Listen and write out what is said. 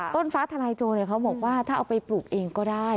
ฟ้าทลายโจรเขาบอกว่าถ้าเอาไปปลูกเองก็ได้